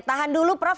tahan dulu prof